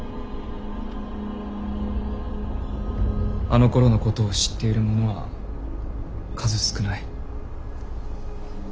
あのころのことを知っている者は数少ない。